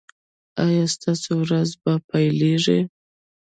ایا ستاسو ورځ به پیلیږي؟